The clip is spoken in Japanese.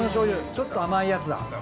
ちょっと甘いやつだ。